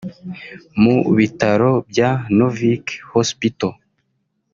mu bitaro bya Novik Hospital